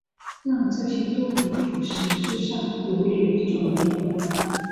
让这些都督府实质上独立于总督。